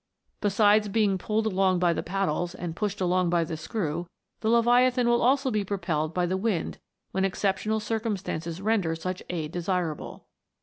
Besides being pulled along by the paddles, and pushed along by the screw, the Leviathan will also be propelled by the wind when exceptional cir cumstances render such aid desirable.